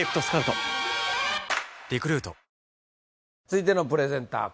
続いてのプレゼンター